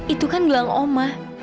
itu kan gelang oma